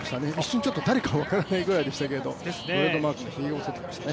最初誰か分からないぐらいでしたけどトレンドマークのひげを剃ってきてましたね。